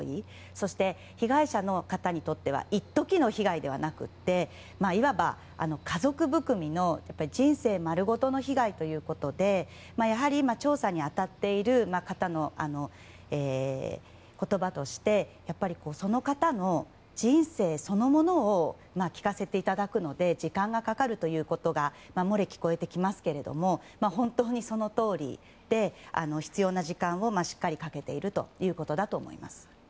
そして被害者の方にとっては一時の被害ではなくていわば、家族含みの人生丸ごとの被害ということでやはり調査に当たっている方の言葉としてその方の人生そのものを聞かせていただくので時間がかかるということが漏れ聞こえてきますけれども本当にそのとおりで必要な時間をしっかりかけているということだと思います。